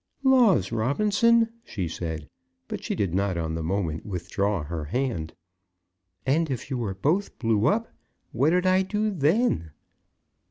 "Laws, Robinson!" she said; but she did not on the moment withdraw her hand. "And if you were both blew up, what'd I do then?"